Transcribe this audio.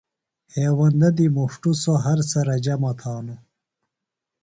ہیوندہ دی مُݜٹوۡ سوۡ، ہر سرہ جمہ تھانوۡ